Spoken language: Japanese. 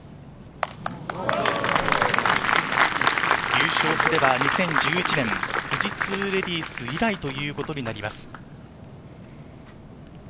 優勝すれば２０１１年、富士通レディース以来ということになります。